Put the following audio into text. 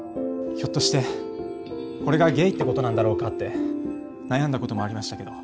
ひょっとしてこれがゲイってことなんだろうかって悩んだこともありましたけど。